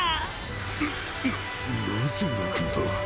うななぜ泣くんだ。